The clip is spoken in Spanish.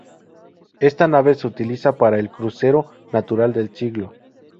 Esta nave se utiliza para el "Crucero Natural del Siglo".